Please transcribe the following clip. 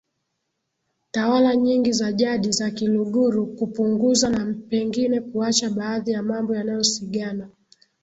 tawala nyingi za Jadi za kiluguru kupunguza na pengine kuacha baadhi ya mambo yanayosigana